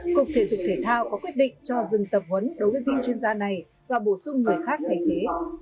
cục thể dục thể thao có quyết định cho dừng tập huấn đối với viên chuyên gia này và bổ sung người khác thay thế